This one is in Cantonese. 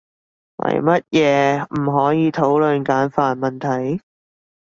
為乜嘢唔可以討論簡繁問題？